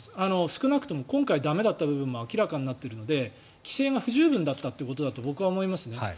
少なくとも今回駄目だった部分も明らかになっているので規制が不十分だったということだと僕は思いますね。